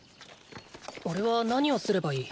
おれは何をすればいい？